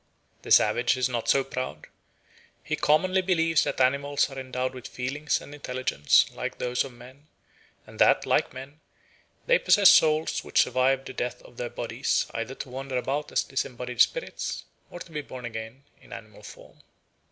The savage is not so proud; he commonly believes that animals are endowed with feelings and intelligence like those of men, and that, like men, they possess souls which survive the death of their bodies either to wander about as disembodied spirits or to be born again in animal form.